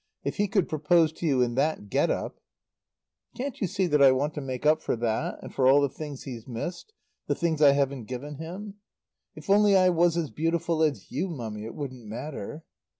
"If he could propose to you in that get up " "Can't you see that I want to make up for that and for all the things he's missed, the things I haven't given him. If only I was as beautiful as you, Mummy, it wouldn't matter."